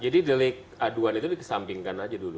jadi beli keaduan itu di sampingnya